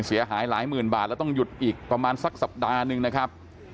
เสียหายหลายหมื่นบาทแล้วต้องหยุดอีกประมาณสักสัปดาห์หนึ่งนะครับ